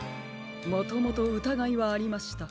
もともとうたがいはありました。